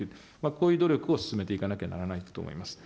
こういう努力を進めていかなきゃならないと思います。